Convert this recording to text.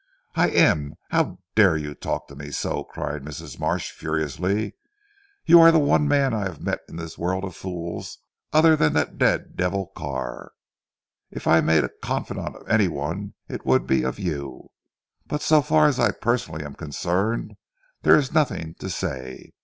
"I am. How dare you talk to me so!" cried Mrs. Marsh furiously. "You are the one man I have met in this world of fools, other than that dead devil Carr. If I made a confidant of anyone it would be of you. But so far as I personally am concerned there is nothing to say.